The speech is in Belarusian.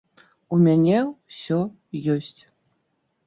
У мяне ўсё ёсць.